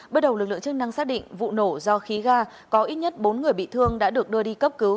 bước đầu lực lượng chức năng xác định vụ nổ do khí ga có ít nhất bốn người bị thương đã được đưa đi cấp cứu